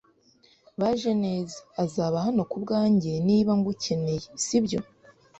Bajeneza, uzaba hano kubwanjye niba ngukeneye, sibyo?